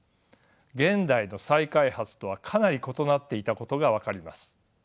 現代の再開発とはかなり異なっていたことが分かります。